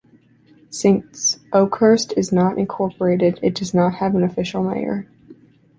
Since Oakhurst is not incorporated, it does not have an official mayor.